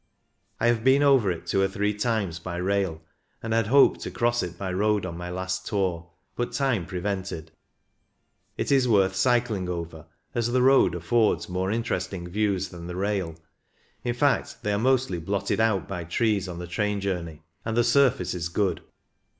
I have been over it two or three times by rail, and had hoped to cross it by road on my last tour, but time prevented. It is worth cycling over, as the road affords more interesting views than the rail — in fact, they are mostly blotted out by trees on the train journey — and the surface is good.